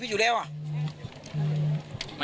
ในใจเรา